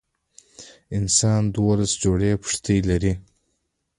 انسان دولس جوړي پښتۍ لري.